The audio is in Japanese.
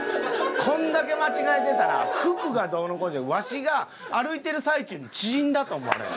こんだけ間違えてたら服がどうのこうのじゃなくてわしが歩いてる最中に縮んだと思われる。